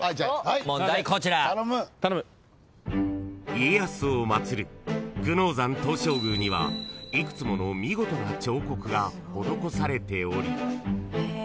［家康を祭る久能山東照宮には幾つもの見事な彫刻が施されており］